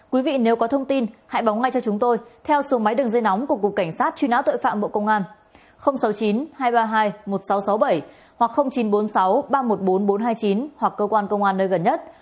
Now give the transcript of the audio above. quý vị nếu có thông tin hãy báo ngay cho chúng tôi theo số máy đường dây nóng của cục cảnh sát truy nã tội phạm bộ công an sáu mươi chín hai trăm ba mươi hai một nghìn sáu trăm sáu mươi bảy hoặc chín trăm bốn mươi sáu ba trăm một mươi bốn nghìn bốn trăm hai mươi chín hoặc cơ quan công an nơi gần nhất